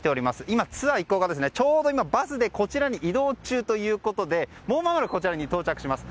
今、ツアー一行がちょうどバスでこちらに移動中ということでもうまもなくこちらに到着します。